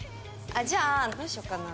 じゃあどうしようかな。